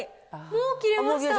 もう切れました。